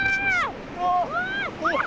うわっ！